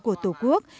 của tổ quốc